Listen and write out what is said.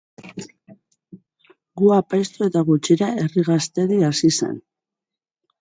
Gu apaiztu eta gutxira Herri Gaztedi hasi zen.